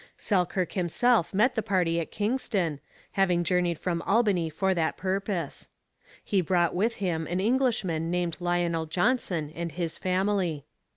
Selkirk himself met the party at Kingston, having journeyed from Albany for that purpose. He brought with him an Englishman named Lionel Johnson and his family.